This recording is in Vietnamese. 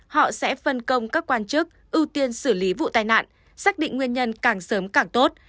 họ sẽ phân công các quan chức ưu tiên xử lý vụ tai nạn xác định nguyên nhân càng sớm càng tốt